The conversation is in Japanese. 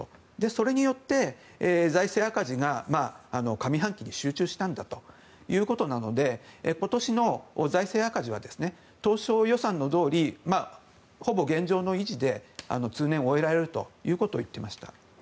それによって、財政赤字が上半期に集中したんだということなので今年の財政赤字は当初予算のとおりほぼ現状維持で通年を終えられるということを言っていました。